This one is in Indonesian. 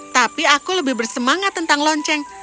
tapi aku lebih bersemangat tentang lonceng